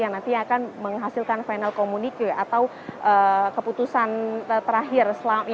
yang nantinya akan menghasilkan final communique atau keputusan terakhir